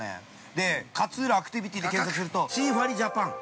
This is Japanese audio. で、勝浦アクティビティで検索するとシーファリジャパン。